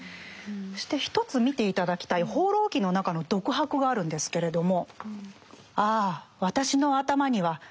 そして一つ見て頂きたい「放浪記」の中の独白があるんですけれども。